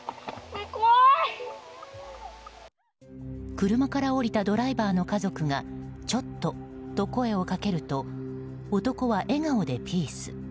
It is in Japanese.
車から降りたドライバーの家族がちょっとと声をかけると男は笑顔でピース。